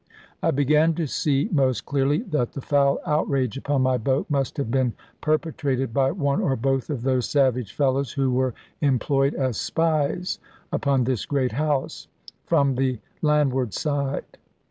I began to see most clearly that the foul outrage upon my boat must have been perpetrated by one or both of those savage fellows who were employed as spies upon this great house, from the landward side.